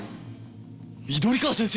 緑川先生！